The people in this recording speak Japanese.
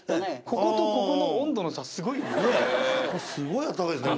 こことここのすごいあったかいですね。